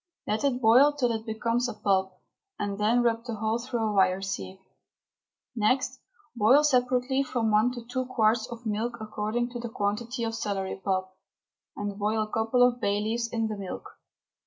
Let it boil till it becomes a pulp, and then rub the whole through a wire sieve. Next boil separately from one to two quarts of milk according to the quantity of celery pulp, and boil a couple of bay leaves in the milk.